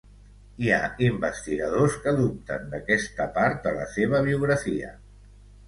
Hi ha investigadors que dubten d'aquesta part de la seva biografia.